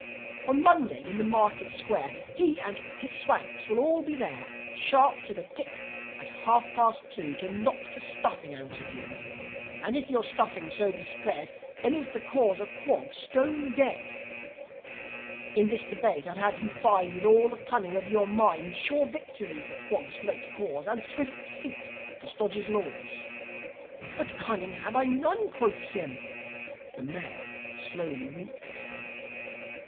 "On Monday, in the Market Square, He and his Swanks will all be there, Sharp to the tick at half past two, To knock the stuffing out of you. And if your stuffing so be spread, Then is the Cause of Quog stone dead. "In this debate I'd have you find, With all the cunning of your mind, Sure victory for Quog's great Cause, And swift defeat for Stodge's laws." "But cunning I have none," quoth Sym. The Mayor slowly winked at him.